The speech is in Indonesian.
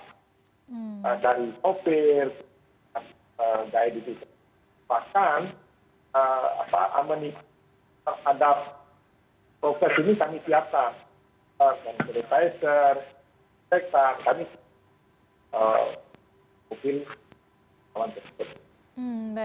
sampai terhubungan dengan supervisor sektor kami mungkin akan mencari